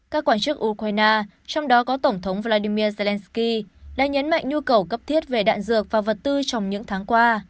các quan chức ukraine trong đó có tổng thống vladimir zelensky đã nhấn mạnh nhu cầu cấp thiết về đạn dược và vật tư trong những tháng qua